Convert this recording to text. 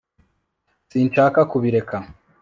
sinshaka kubireka